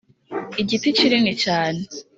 igiti kinini cyane,